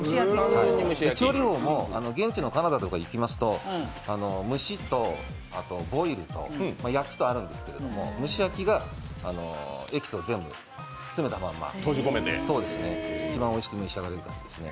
調理法も現地のカナダでは蒸しとボイルと焼きとあるんですけど、蒸し焼きがエキスを全部詰めたまんま一番おいしく召し上がれると思います。